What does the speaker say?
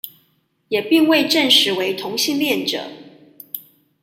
也並未證實為同性戀者